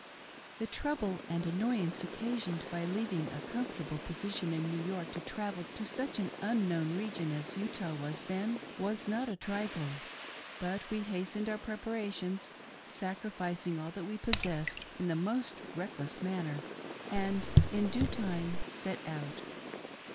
The trouble and annoyance occasioned by leaving a com fortable position in New York to travel to such an unknown region as Utah was then, was not a trifle ; but we hastened our preparations, sacrificing all that we possessed, in the most reckless manner, and in due time set out.